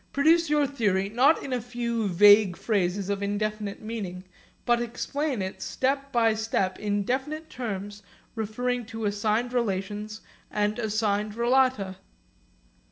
Produce your theory, not in a few vague phrases of indefinite meaning, but explain it step by step in definite terms referring to assigned relations and assigned relata.